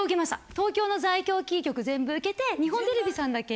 東京の在京キー局全部受けて日本テレビさんだけ。